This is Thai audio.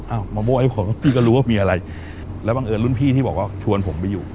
เอามาโบ้ให้ผมพี่ก็รู้ว่ามีอะไรแล้วบังเอิญรุ่นพี่ที่บอกว่าชวนผมไปอยู่